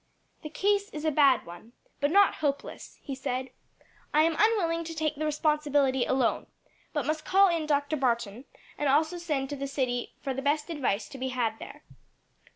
"The case is a bad one, but not hopeless," he said. "I am unwilling to take the responsibility alone, but must call in Dr. Barton and also send to the city for the best advice to be had there."